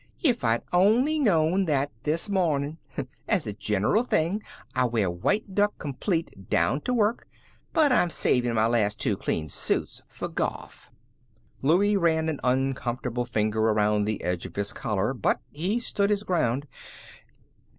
If I'd only knew that this morning. As a gen'ral thing I wear white duck complete down t' work, but I'm savin' my last two clean suits f'r gawlf." Louie ran an uncomfortable finger around the edge of his collar, but he stood his ground.